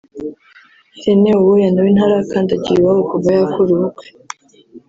Irene Uwoya na we ntarakandagira iwabo kuva yakora ubukwe